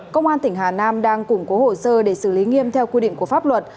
công an tỉnh hà nam đang củng cố hồ sơ để xử lý nghiêm theo quy định của pháp luật